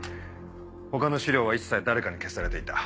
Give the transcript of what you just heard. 他の資料は一切誰かに消されていた。